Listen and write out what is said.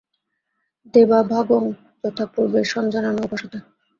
দেবা ভাগং যথা পূর্বে সঞ্জানানা উপাসতে।